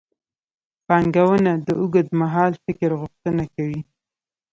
پانګونه د اوږدمهال فکر غوښتنه کوي.